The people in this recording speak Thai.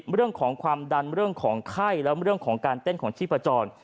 เรื่องของความดันเรื่องของไข้แล้วเรื่องของการเต้นของชีพจร